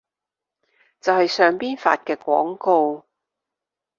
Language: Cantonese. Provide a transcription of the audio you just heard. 就係上邊發嘅廣告